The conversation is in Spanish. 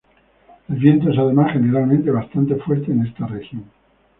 El viento es además generalmente bastante fuerte en esta región.